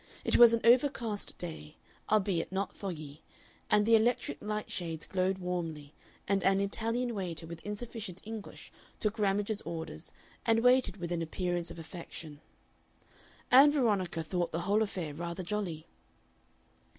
It was an overcast day, albeit not foggy, and the electric light shades glowed warmly, and an Italian waiter with insufficient English took Ramage's orders, and waited with an appearance of affection. Ann Veronica thought the whole affair rather jolly.